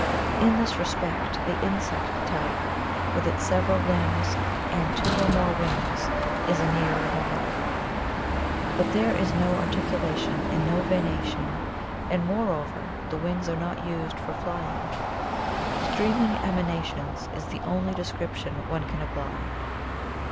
In this respect the in sect type, with its several limbs and two or more wings, is a nearer model. But there is 178 THE THEOSOPHIC VIEW OF FAIRIES no articulation and no venation, and more over the wings are not used for flying. * Streaming emanations ' is the only descrip tion one can apply.